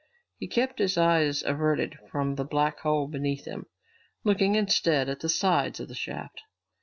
He kept his eyes averted from the black hole beneath him, looking instead at the sides of the shaft.